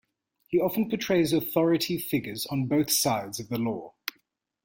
He often portrays authority figures on both sides of the law.